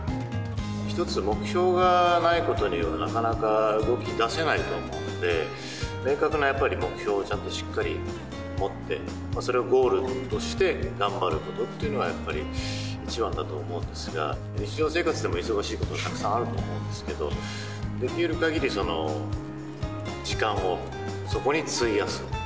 一つ目標がないことには、なかなか動きだせないと思うんで、明確なやっぱり目標をちゃんとしっかり持って、それをゴールとして頑張ることっていうのがやっぱり一番だと思うんですが、日常生活でも忙しいことはたくさんあると思うんですが、できるかぎり時間をそこに費やす。